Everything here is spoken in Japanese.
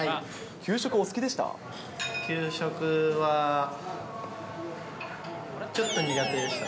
給食、お好きでした？